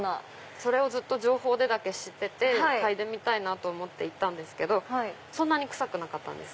それをずっと情報でだけ知ってて嗅いでみたいと思って行ったけどそんなに臭くなかったんです。